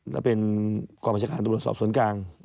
เราเป็นกรรมประชาการตรวจสอบส่วนกลาง